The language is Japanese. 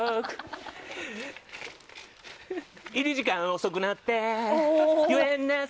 入り時間、遅くなって。